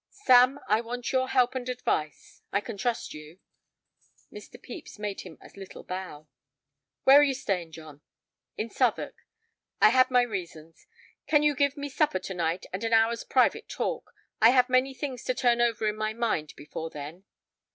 "Sam, I want your help and advice. I can trust you." Mr. Pepys made him a little bow. "Where are you staying, John?" "In Southwark. I had my reasons. Can you give me supper to night, and an hour's private talk? I have many things to turn over in my mind before then."